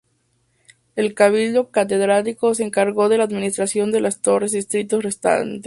El cabildo catedralicio se encargó de la administración de los tres distritos restantes.